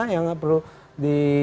yang perlu di